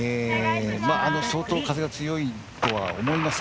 相当、風が強いとは思いますが。